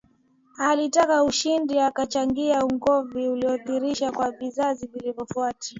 alitaka ushindi akachangia ugomvi uliorithishwa kwa vizazi vilivyofuata